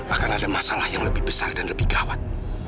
akan ada masalah yang lebih besar dan lebih gawat